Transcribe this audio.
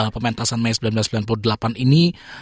pementasan mei seribu sembilan ratus sembilan puluh delapan ini